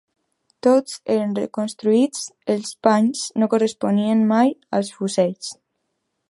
Tots eren reconstruïts; els panys no corresponien mai als fusells